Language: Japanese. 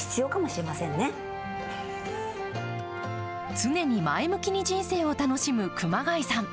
常に前向きに人生を楽しむ熊谷さん。